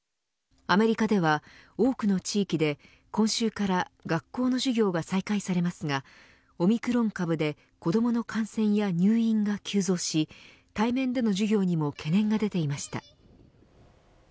アメリカでは多くの地域で今週から学校の授業が再開されますがオミクロン株で、子どもの感染や入院が急増し対面での授業にも懸念が出ていました。